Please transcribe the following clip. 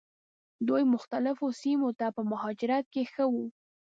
دوی مختلفو سیمو ته په مهاجرت کې ښه وو.